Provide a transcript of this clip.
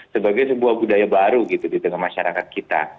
sebagai sebuah budaya baru gitu di tengah masyarakat kita